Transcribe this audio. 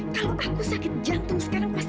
kalau aku sakit jantung sekarang pasti